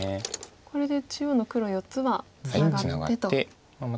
これで中央の黒４つはツナがってと。